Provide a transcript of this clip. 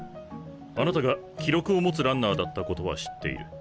あなたが記録を持つランナーだったことは知っている。